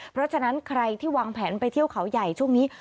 เพราะฉะนั้นใครที่วางแผนไปเที่ยวเขาใหญ่ช่วงนี้